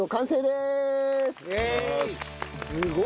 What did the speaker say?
すごい。